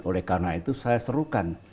oleh karena itu saya serukan